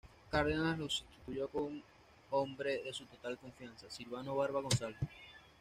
Cárdenas lo sustituyó con un hombre de su total confianza, Silvano Barba González.